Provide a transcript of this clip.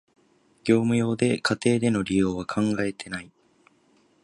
業務用で、家庭での利用は考えてない